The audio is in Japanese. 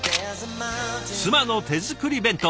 妻の手作り弁当。